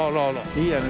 いいよね。